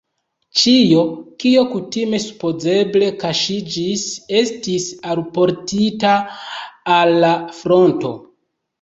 Ĉio, kio kutime supozeble kaŝiĝis, estis alportita al la fronto.